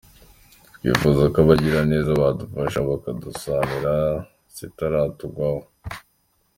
Twifuza ko abagiraneza badufasha bakadusanira zitaratugwaho.